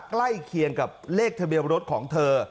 ใกล้เคียงกับเลขทะเบียนรถของเธอ